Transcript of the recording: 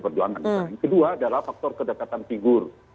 yang kedua adalah faktor kedekatan figur